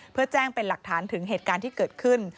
เพื่อแจ้งเป็นหลักฐานถึงเหตุการณ์ที่เกิดขึ้น